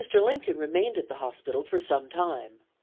Lincoln remained at the hospital for some time.